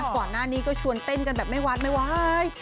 ก่อนหน้านี้ก็ชวนเต้นกันแบบไม่วัดไม่ไหว